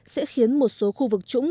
sẽ khiến một số khu vực trũng